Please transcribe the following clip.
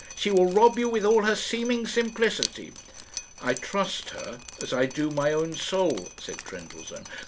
She will rob you, with all her seeming simplicity." "I trust her as I do my own soul," said Trendellsohn.